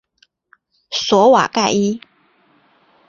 索瓦盖伊。